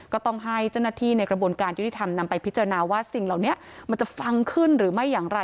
ก็ต้องให้เจ้าหน้าที่ในกระบวนการยุติธรรมนำไปพิจารณาว่าสิ่งเหล่านี้มันจะฟังขึ้นหรือไม่อย่างไร